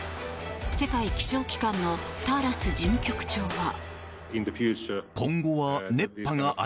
世界気象機関のターラス事務局長は。